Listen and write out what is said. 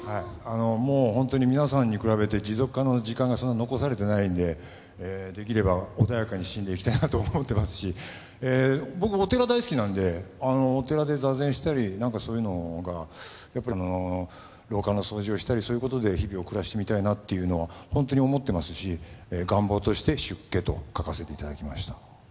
もうホントに皆さんに比べて持続可能な時間がそんな残されてないんでできれば穏やかに死んでいきたいなと思ってますし僕お寺大好きなんでお寺で座禅したり何かそういうのが廊下の掃除をしたりそういうことで日々を暮らしてみたいなってホントに思ってますし願望として「出家」と書かせていただきました